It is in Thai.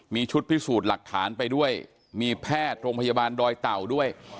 มีชุดพิสูจน์หลักฐานไปด้วยมีแพทย์โรงพยาบาลดอยเต่าด้วย